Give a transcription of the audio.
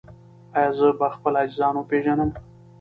ایا زه به خپل عزیزان وپیژنم؟